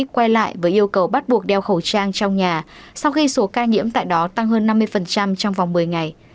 quay lại với yêu cầu bắt buộc đeo khẩu trang trong nhà sau khi số ca nhiễm tại đó tăng hơn năm mươi trong vòng một mươi ngày